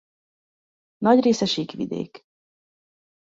Nagy része sík vidék.